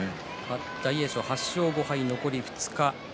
大栄翔は８勝５敗で残り２日